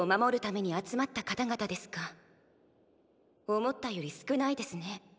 思ったより少ないですね。